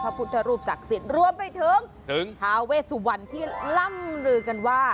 พระพุทธรูปศักดิ์สิทธิ์รวมไปถึงทาเวสุวรรณที่ล่ำลือกันว่า